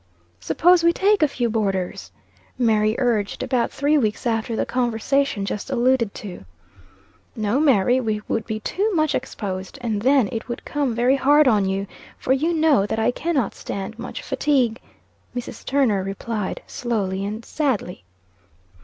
"Suppose we take a few boarders?" Mary urged, about three weeks after the conversation just alluded to. "No, Mary; we would be too much exposed: and then it would come very hard on you, for you know that I cannot stand much fatigue," Mrs. Turner replied, slowly and sadly.